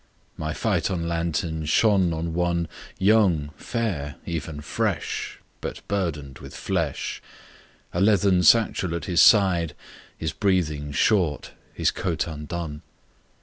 —My phaeton lantern shone on one Young, fair, even fresh, But burdened with flesh: A leathern satchel at his side, His breathings short, his coat undone.